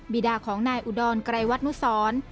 ีดาของนายอุดรไกรวัตนุสร